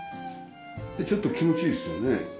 でちょっと気持ちいいですよね。